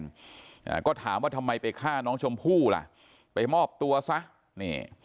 อ่าก็ถามว่าทำไมไปฆ่าน้องชมพู่ล่ะไปมอบตัวซะนี่